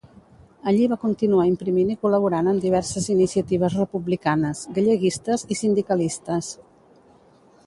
Allí va continuar imprimint i col·laborant amb diverses iniciatives republicanes, galleguistes i sindicalistes.